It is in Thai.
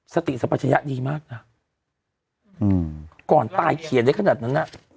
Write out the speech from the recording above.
สติสัปชยะดีมากนะก่อนตายเขียนได้ขนาดนั้นน่ะ